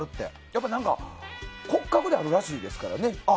やっぱり骨格であるらしいですから。